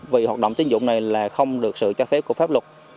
vì hoạt động tín dụng này là không được sự cho phép của pháp luật